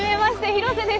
廣瀬です。